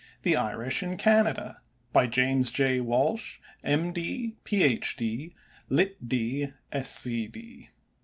THE IRISH IN CANADA By JAMES J. WALSH, M.D., Ph.D., Litt.D., Sc.D.